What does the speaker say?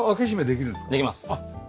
できます。